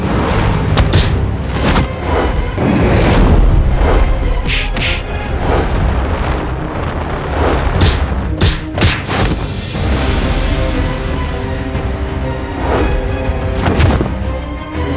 jangan lupa like subscribe dan subscribe